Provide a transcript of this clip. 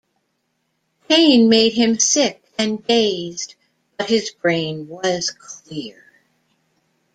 Pain made him sick and dazed, but his brain was clear.